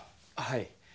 はい。